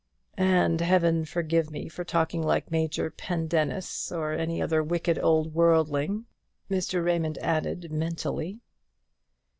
"And Heaven forgive me for talking like Major Pendennis, or any other wicked old worldling!" Mr. Raymond added, mentally.